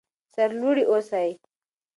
سر لوړي اوسئ.